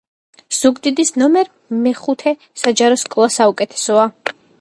ზუგდიდის ნომერ მეხუთე საჯარო სკოლა საუკეთესოა